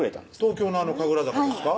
東京のあの神楽坂ですか？